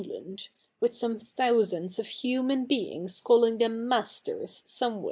igland, with some thousafids of hitman beings callijig them masters, somewhe?'